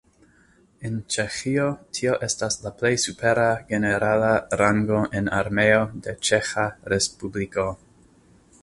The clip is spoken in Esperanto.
En Ĉeĥio tio estas la plej supera generala rango en Armeo de Ĉeĥa respubliko.